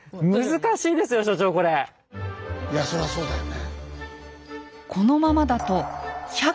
いやそらそうだよね。